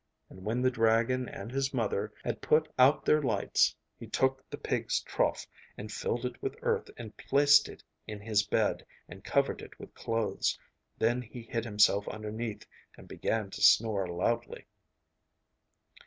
And when the dragon and his mother had put out their lights, he took the pigs' trough and filled it with earth, and placed it in his bed, and covered it with clothes. Then he hid himself underneath, and began to snore loudly.